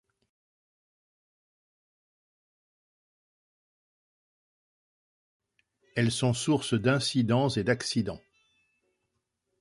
Elles sont sources d'incidents et d'accidents.